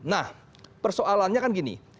nah persoalannya kan gini